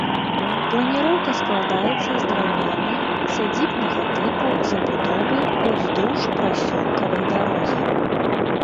Планіроўка складаецца з драўлянай, сядзібнага тыпу, забудовы ўздоўж прасёлкавай дарогі.